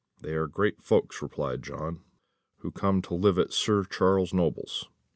"They are the great folks," replied John, "who are come to live at Sir Charles Noble's.